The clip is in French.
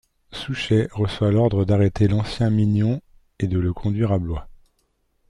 Souchet reçoit l'ordre d'arrêter l'ancien mignon et de le conduire à Blois.